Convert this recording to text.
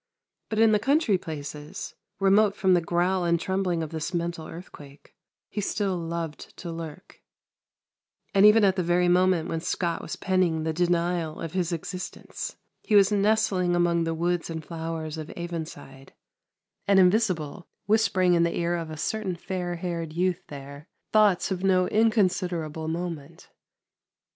But in the country places, remote from the growl and trembling of this mental earthquake, he still loved to lurk; and even at the very moment when Scot was penning the denial of his existence, he was nestling amongst the woods and flowers of Avonside, and, invisible, whispering in the ear of a certain fair haired youth there thoughts of no inconsiderable moment.